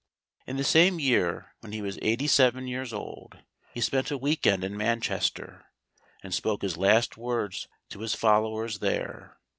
In the same year, when he was eighty seven years old, he spent a week end in Manchester, and spoke his last words to his followers there.